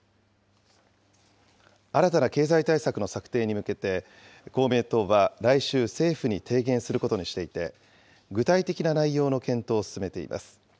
新たな経済対策の策定に向けて、公明党は来週、政府に提言することにしていて、具体的な内容の検討を進めています。